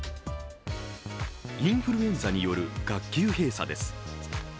インフルエンザによる学級閉鎖です。